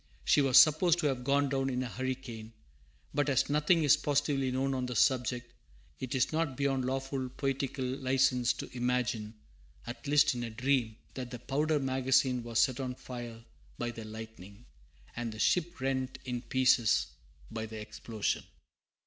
She was supposed to have gone down in a hurricane, but as nothing is positively known on the subject, it is not beyond lawful poetical license to imagine, at least in a dream, that the powder magazine was set on fire by the lightning, and the ship rent in pieces, by the explosion.